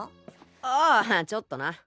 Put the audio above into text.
ああちょっとな。